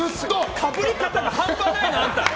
かぶり方が半端ないの、あんた！